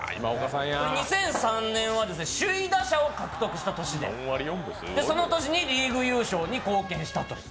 ２００３年は首位打者を獲得した年でその年にリーグ優勝に貢献したと。